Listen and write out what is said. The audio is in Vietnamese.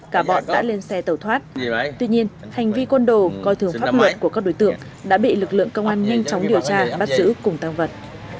cả bọn đã lên xe tẩu thoát tuy nhiên hành vi côn đồ coi thường pháp luật của các đối tượng đã bị lực lượng công an nhanh chóng điều tra bắt giữ cùng tăng vật